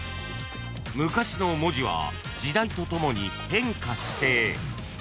［昔の文字は時代とともに変化して］